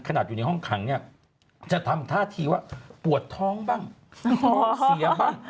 อยู่ในห้องขังเนี่ยจะทำท่าทีว่าปวดท้องบ้างเสียบ้าง